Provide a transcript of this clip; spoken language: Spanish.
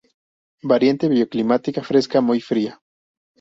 Variante bioclimática fresca-muy fría.